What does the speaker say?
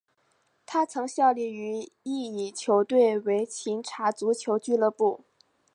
他曾效力于意乙球队维琴察足球俱乐部。